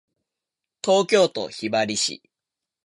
東京都雲雀市